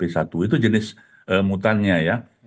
itu jenis mutannya ya